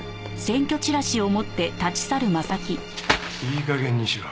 いい加減にしろ。